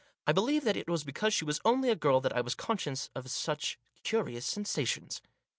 I believe that it was because she was only a girl that I was conscious of such curious sensations.